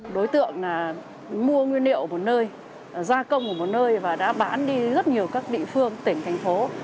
đối tượng là mua nguyên liệu ở một nơi gia công ở một nơi và đã bán đi rất nhiều các địa phương tỉnh thành phố